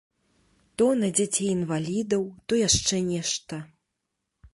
То на дзяцей інвалідаў, то яшчэ нешта.